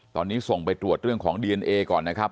ตอนนี้ส่งไปตรวจเรื่องของดีเอนเอก่อนนะครับ